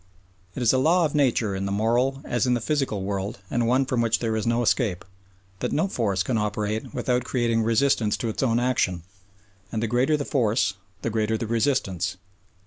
It is a law of nature in the moral as in the physical world and one from which there is no escape that no force can operate without creating resistance to its own action, and the greater the force the greater the resistance.